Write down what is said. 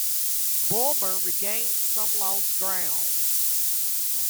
Bulmer regained some lost ground.